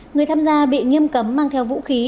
người tham gia bị nghiêm cấm mang theo vũ khí